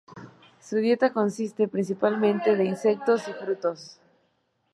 Su dieta consiste principalmente de insectos y frutos.